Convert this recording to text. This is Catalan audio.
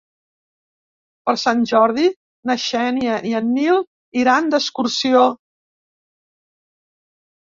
Per Sant Jordi na Xènia i en Nil iran d'excursió.